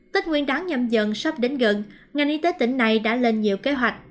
tết nguyên đáng nhầm dân sắp đến gần ngành y tế tỉnh này đã lên nhiều kế hoạch